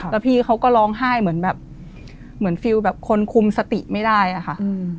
แล้วพี่เขาก็ร้องไห้เหมือนแบบคุมสติไม่ได้อะค่ะ